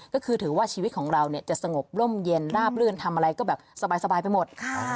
ก็คือถือว่าชีวิตของเราจะสงบร่มเย็นราบลื่นทำอะไรก็แบบสบายไปหมด